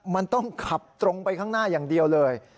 มันต้องขับตรงไปข้างหน้าอย่างเดียวเลย